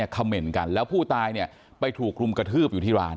เขาเหม็นกันแล้วผู้ตายไปถูกกลุ่มกระทืบอยู่ที่ร้าน